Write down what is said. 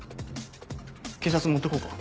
警察持ってこうか？